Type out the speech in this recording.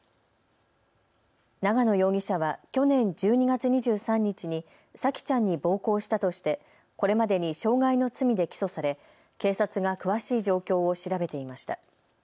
長野容疑者は去年１２月２３日に沙季ちゃんに暴行したとしてこれまでに傷害の罪で起訴され警察が詳しい状況を調べていました。